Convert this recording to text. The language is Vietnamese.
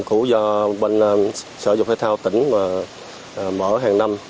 của do bên sở dục thể thao tỉnh mở hàng năm